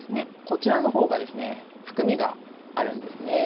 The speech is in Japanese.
こちらの方がですね含みがあるんですね。